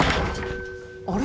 あれ？